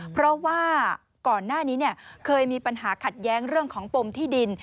เพราะว่าก่อนหน้านี้เคยมีปัญหาขัดแย้งเรื่องของปมที่ดิน